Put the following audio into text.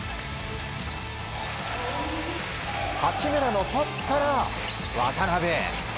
八村のパスから渡邊。